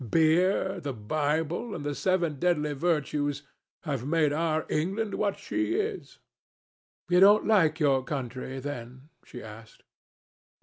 Beer, the Bible, and the seven deadly virtues have made our England what she is." "You don't like your country, then?" she asked.